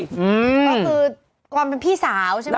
ก็คือความเป็นพี่สาวใช่ไหม